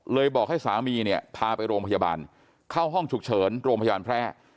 บอกให้สามีเนี่ยพาไปโรงพยาบาลเข้าห้องฉุกเฉินโรงพยาบาลแพร่